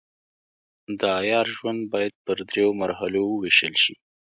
د عیار ژوند باید پر دریو مرحلو وویشل شي.